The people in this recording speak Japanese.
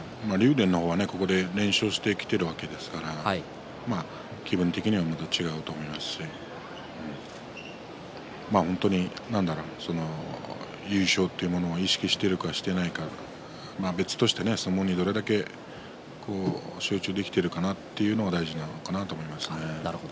電はここで連勝してきているわけですから気分的にはまた違うと思いますし、本当に優勝というものを意識しているか、していないかそれは別として相撲にどれだけ集中できているかというのが大事かなと思いますね。